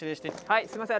はいすみません。